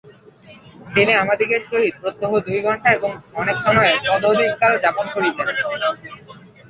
তিনি আমাদিগের সহিত প্রত্যহ দুই ঘণ্টা এবং অনেক সময়েই তদধিক কাল যাপন করিতেন।